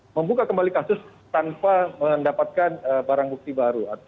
membuka kembali kasus tanpa mendapatkan barang bukti baru